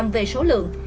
về số lượng